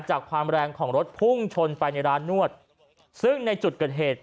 ความแรงของรถพุ่งชนไปในร้านนวดซึ่งในจุดเกิดเหตุ